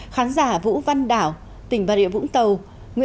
khán giả vũ văn đảo tỉnh và địa vũng tàu